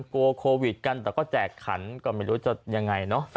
กลัวโควิดกันแต่ก็แจกขันก็ไม่รู้จะยังไงเนอะ